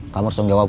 kamu harus menjawab